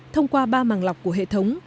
thông qua ba màng lọc của hệ thống